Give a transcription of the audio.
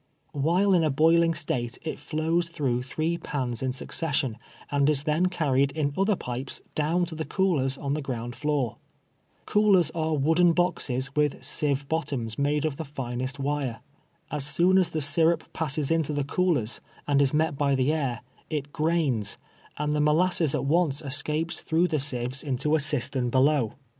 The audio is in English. While in a boiling state it flows through three pans in succession, and is then carried in other pipes down to the coolers on the ground floor. Cool ers are wooden boxes Mith sieve bottoms made of the finest Avire. As soon as the syrup passes into the coolers, and is met by the air, it grains, and the mo lasses at once escapes through the sieves into a cistern CimiSTJIAS HOLIDATS. 213 below.